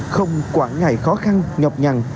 không quản ngại khó khăn nhọc nhằn